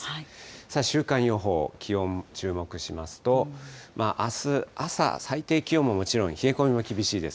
さあ、週間予報、気温、注目しますと、あす朝、最低気温ももちろん冷え込みも厳しいです。